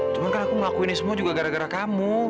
cuma kan aku ngelakuin ini semua juga gara gara kamu